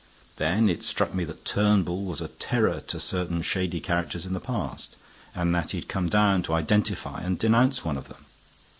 Then it struck me that Turnbull was a terror to certain shady characters in the past, and that he had come down to identify and denounce one of them.